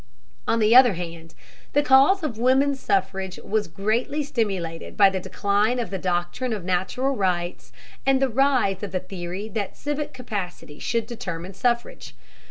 On the other hand, the cause of woman suffrage was greatly stimulated by the decline of the doctrine of natural rights and the rise of the theory that civic capacity should determine the suffrage.